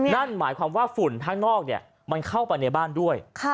นั่นหมายความว่าฝุ่นข้างนอกมันเข้าไปในบ้านด้วย